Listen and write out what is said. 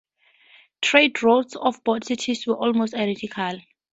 Trade routes of both cities were almost identical.